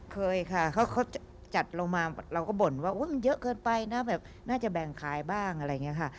เคยค่ะเค้าจัดลงมาเราก็บ่นน่ะมันเยอะเกินไปน่าว่าแบ่งไขบ้างเหมือนกันล่ะ